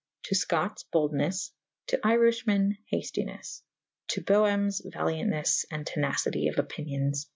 To Scottes / boldnes / to Iriffh men / haftines. To Boemes valiauntnes and tenacite of opynions.